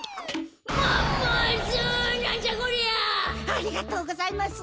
ありがとうございます。